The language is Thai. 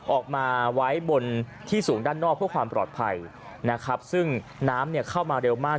ออกมาไว้บนที่สูงด้านนอกเพื่อความปลอดภัยนะครับซึ่งน้ำเนี่ยเข้ามาเร็วมาก